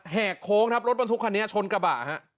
กโค้งครับรถบรรทุกคันนี้ชนกระบะฮะ